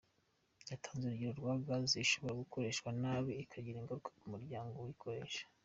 Yatanze urugero rwa gaz ishobora gukoreshwa nabi ikagira ingaruka ku muryango uyikoresha.